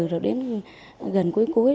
rồi đến gần cuối cuối